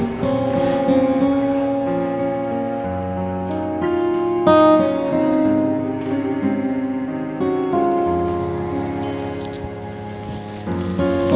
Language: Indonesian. terima kasih gue